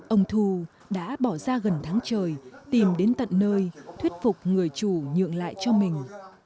ông thu đã bỏ ra gần tháng trời tìm đến tận nơi thuyết phục người chủ nhượng lại cho mình